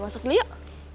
masuk dulu yuk